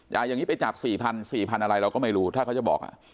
อย่างนี้ไปจับ๔๐๐๔๐๐อะไรเราก็ไม่รู้ถ้าเขาจะบอก